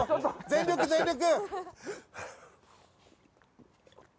全力、全力！